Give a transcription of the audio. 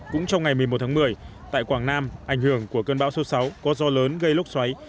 cũng trong ngày một mươi một tháng một mươi tại quảng nam ảnh hưởng của cơn bão số sáu có do lớn gây lốc xoáy